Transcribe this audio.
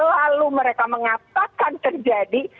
lalu mereka mengatakan terjadi